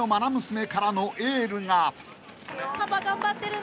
パパ頑張ってるね。